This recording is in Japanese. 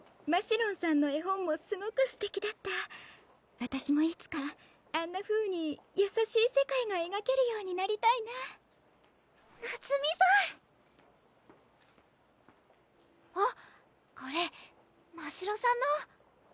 ろんさんの絵本もすごくすてきだったわたしもいつかあんなふうに優しい世界がえがけるようになりたいな菜摘さんあっ！